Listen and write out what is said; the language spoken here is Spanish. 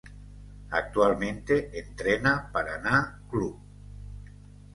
Actualmente entrena Paraná Clube.